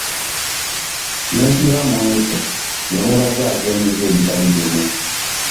N'ekiva mu ekyo nga mubazaaza emize egitali gimu.